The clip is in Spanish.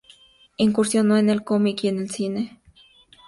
Incursionó en el cómic y el cine.